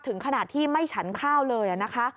ถึงขนาดที่ไม่ฉันข้าวเลยนะคะ